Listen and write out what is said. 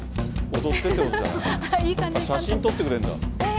写真撮ってくれるんだ。